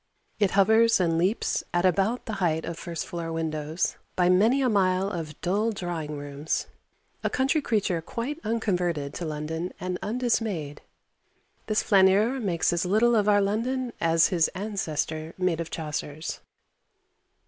It hovers and leaps at about the height of first floor windows, by many a mile of dull drawing rooms, a country creature quite unconverted to London and undismayed. This flâneur makes as little of our London as his ancestor made of Chaucer's.